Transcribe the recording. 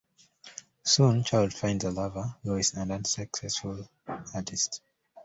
Soon, Charlotte finds a lover, Luis, an unsuccessful artist.